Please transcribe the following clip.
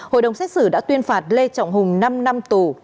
hội đồng xét xử đã tuyên phạt lê trọng hùng năm năm tù năm năm quản chế